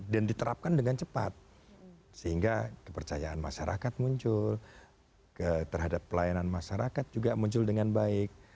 dan diterapkan dengan cepat sehingga kepercayaan masyarakat muncul terhadap pelayanan masyarakat juga muncul dengan baik